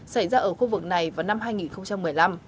xảy ra ở khu vực này vào năm hai nghìn một mươi năm